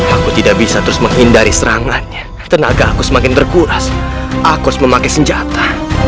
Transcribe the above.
aku tidak bisa terus menghindari serangannya tenaga aku semakin berkuras aku semakin senjata